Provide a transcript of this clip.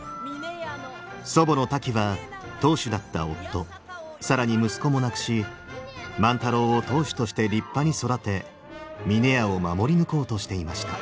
祖母のタキは当主だった夫更に息子も亡くし万太郎を当主として立派に育て峰屋を守り抜こうとしていました。